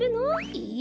えっ？